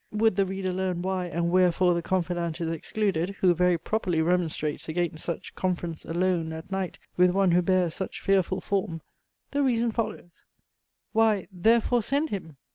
Would the reader learn why and wherefore the confidante is excluded, who very properly remonstrates against such "conference, alone, at night, with one who bears such fearful form;" the reason follows "why, therefore send him!"